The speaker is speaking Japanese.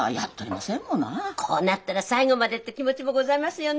こうなったら最後までって気持ちもございますよね。